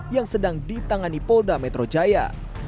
yang sedang ditangani polda metro jaya